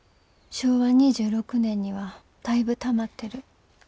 昭和２６年にはだいぶたまってる。